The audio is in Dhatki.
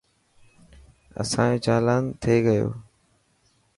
اسانيو چالان ٿي گيو.